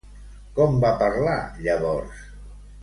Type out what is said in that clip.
Com va parlar llavors?